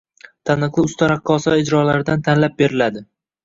Taniqli usta raqqosalar ijrolaridan tanlab beriladi.